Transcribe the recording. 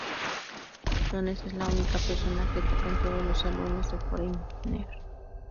Jones es la única persona que toca en todos los álbumes de Foreigner.